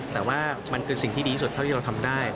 แต่ว่ามันคือสิ่งที่ดีที่สุดเท่าที่เราทำได้